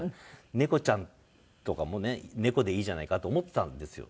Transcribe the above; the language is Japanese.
「猫ちゃん」とかもね「猫」でいいじゃないかと思ってたんですよ。